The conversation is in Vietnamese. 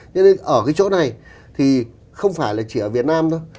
thế nên ở cái chỗ này thì không phải là chỉ ở việt nam thôi